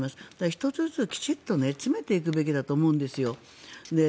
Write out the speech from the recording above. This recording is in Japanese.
１つずつきちんと詰めていくべきだと思うんですよ。